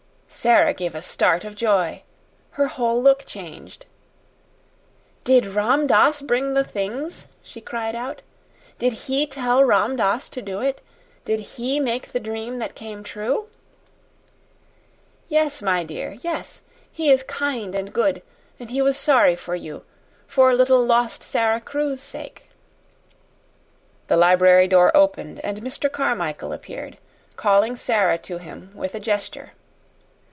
Sara gave a start of joy; her whole look changed. "Did Ram Dass bring the things?" she cried out. "Did he tell Ram Dass to do it? Did he make the dream that came true?" "Yes, my dear yes! He is kind and good, and he was sorry for you, for little lost Sara Crewe's sake." The library door opened and Mr. Carmichael appeared, calling Sara to him with a gesture.